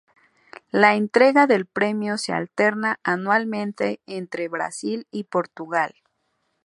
La entrega del premio se alterna anualmente entre Brasil y Portugal.